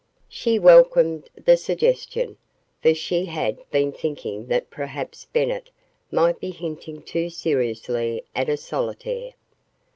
She welcomed the suggestion, for she had been thinking that perhaps Bennett might be hinting too seriously at a solitaire.